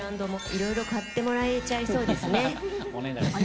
いろいろ買ってもらえちゃいそうですね。